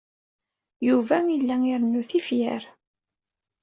Yuba yella irennu tifyar.